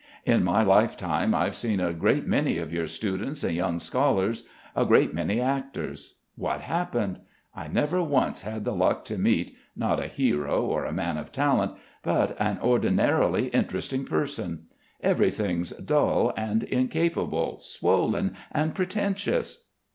"In my lifetime I've seen a great many of your students and young scholars, a great many actors.... What happened? I never once had the luck to meet, not a hero or a man of talent, but an ordinarily interesting person. Everything's dull and incapable, swollen and pretentious...."